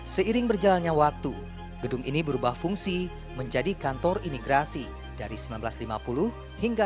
seiring berjalannya waktu gedung ini berubah fungsi menjadi kantor imigrasi dari seribu sembilan ratus lima puluh hingga seribu sembilan ratus sembilan puluh tiga